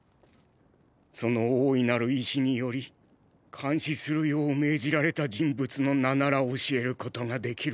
その大いなる意思により監視するよう命じられた人物の名なら教えることができる。